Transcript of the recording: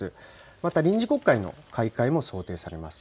また、臨時国会の開会も想定されます。